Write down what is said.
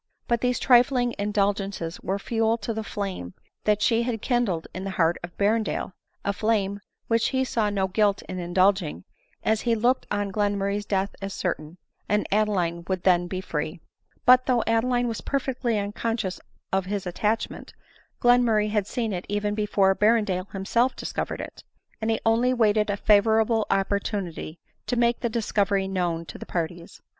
But these trifling indulgences were fuel to the flame that she had kindled in the heart of Berrendale ; a flame which he saw no guilt in indulging, as he looked on Glenmurray's death as certain, and Adeline would then be free. But though Adeline was perfectly unconscious of his attachment, Glenmurray had seen it even before Ber rendale himself discovered it ; and he only waited a favorable opportunity to make the discovery known to the parties.